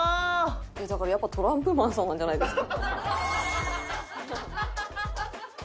だからやっぱトランプマンさんなんじゃないですか？